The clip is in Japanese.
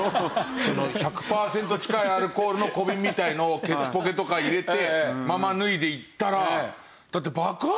１００パーセント近いアルコールの小ビンみたいなのをケツポケとか入れたまま脱いでいったら。